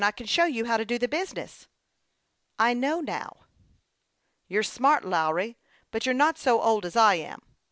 I can show you how to do the business." " I know now." " You're smart, Lawry ; but you're not so old as I am."